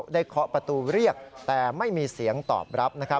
เคาะประตูเรียกแต่ไม่มีเสียงตอบรับ